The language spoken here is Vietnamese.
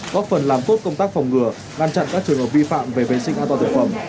góp phần làm tốt công tác phòng ngừa ngăn chặn các trường hợp vi phạm về vệ sinh an toàn thực phẩm